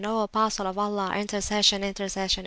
O Apostle of Allah, Intercession! Intercession!